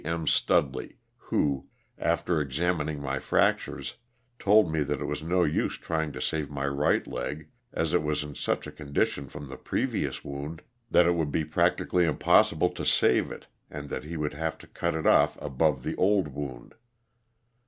M. Studley who, after examining my fractures, told me that it was no use trying to save my right leg as it was in such a condition from the previous wound that it would be practically impossible to save it and that he would have to cut it off above LOSS OF THE SULTANA. 257 the old wound.